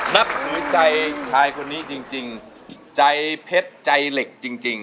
นับหรือใจชายคนนี้จริงจริงใจเพชรใจเหล็กจริงจริง